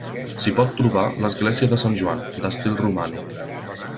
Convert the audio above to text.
S'hi pot trobar l'església de Sant Joan, d'estil romànic.